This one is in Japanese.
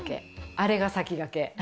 あれが先駆け。